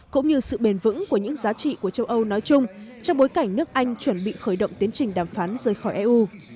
cũng như sự bền vững của những giá trị của châu âu nói chung trong bối cảnh nước anh chuẩn bị khởi động tiến trình đàm phán rời khỏi eu